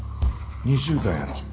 ２週間やろう。